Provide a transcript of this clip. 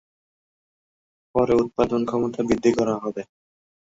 পরে উৎপাদন ক্ষমতা বৃদ্ধি করা হবে।